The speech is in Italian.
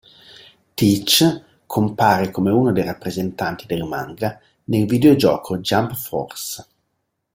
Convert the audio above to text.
Teach compare come uno dei rappresentanti del manga nel videogioco "Jump Force".